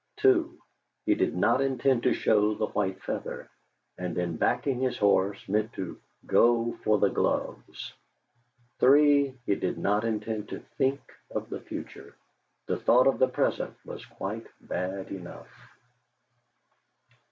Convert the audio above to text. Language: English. (2) He did not intend to show the white feather, and in backing his horse meant to "go for the gloves." (3) He did not intend to think of the future; the thought of the present was quite bad enough.